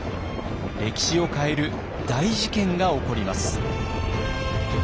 歴史を変える大事件が起こります。